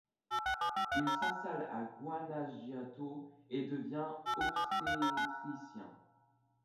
Il s’installe à Guanajuato et devient obstétricien.